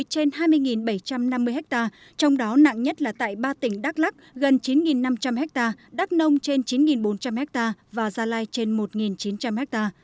một bảy trăm năm mươi hectare trong đó nặng nhất là tại ba tỉnh đắk lắc gần chín năm trăm linh hectare đắk nông trên chín bốn trăm linh hectare và gia lai trên một chín trăm linh hectare